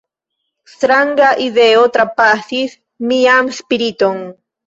Stranga ideo trapasis mian spiriton.